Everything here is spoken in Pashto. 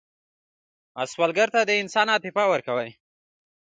سوالګر ته د انسان عاطفه ورکوئ